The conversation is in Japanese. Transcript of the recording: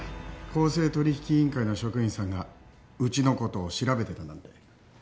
公正取引委員会の職員さんがうちのことを調べてたなんて。